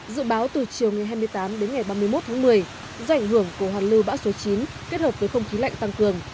dự báo từ chiều hai mươi tám ba mươi một một mươi do ảnh hưởng của hoạt lưu bã số chín kết hợp với không khí lạnh tăng cường